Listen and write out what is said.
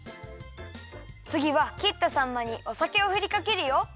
つぎはきったさんまにおさけをふりかけるよ。